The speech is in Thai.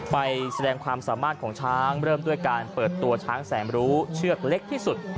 ไปแสดงความสามารถของช้างเริ่มด้วยการเปิดตัวช้างแสนรู้เชือกเล็กที่สุด